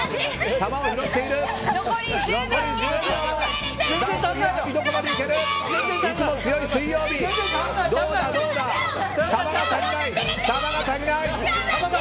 玉が足りない！